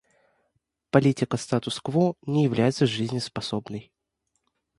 Политика статус-кво не является жизнеспособной.